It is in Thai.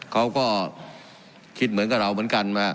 เขาก็คิดเหมือนกับเราเหมือนกันว่า